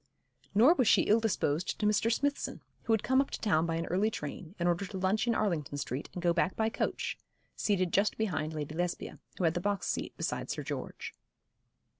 Nor was she ill disposed to Mr. Smithson, who had come up to town by an early train, in order to lunch in Arlington Street and go back by coach, seated just behind Lady Lesbia, who had the box seat beside Sir George.